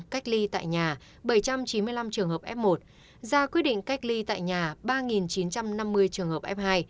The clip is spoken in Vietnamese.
cách ly tại nhà bảy trăm chín mươi năm trường hợp f một ra quyết định cách ly tại nhà ba chín trăm năm mươi trường hợp f hai